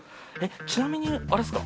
ちなみにあれですか？